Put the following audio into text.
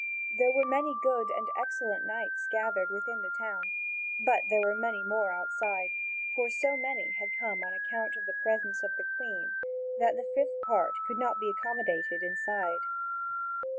There were many good and excellent knights gathered within the town. But there were many more outside, for so many had come on account of the presence of the Queen that the fifth part could not be accommodated inside.